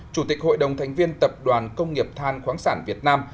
chủ tịch hội đồng thành viên tập đoàn công nghiệp than khoáng sản việt nam